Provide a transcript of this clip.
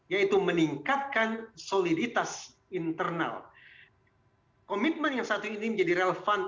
yaitu meningkatkan soliditas internal komitmen yang satu ini menjadi relevan